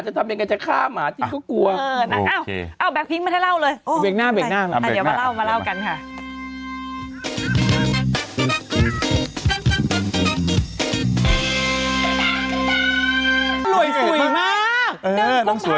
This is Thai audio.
จะทำยังไงเธอก็ฆ่าหมาจิดก็กลัว